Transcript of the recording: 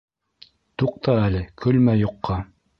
— Туҡта әле, көлмә юҡҡа.